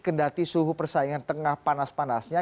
kendati suhu persaingan tengah panas panasnya